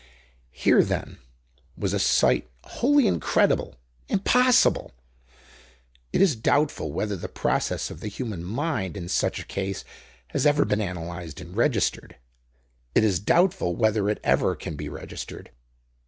Here, then was a sight wholly incredible, impossible. It is doubtful whether the process of the human mind in such a case has ever been analyzed and registered; it is doubtful whether it ever can be registered.